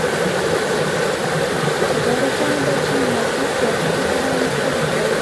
خو دا روښانه ده چې مصرف د ارزښت له پلوه مختلف دی